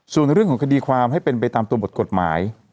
ส่วนเรื่องของคดีความให้เป็นไปตามตัวบทกฎหมาย